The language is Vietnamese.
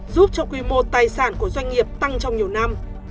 giúp cho quy mô tài sản của doanh nghiệp tăng trong nhiều năm